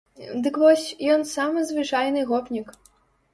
Дык вось, ён самы звычайны гопнік.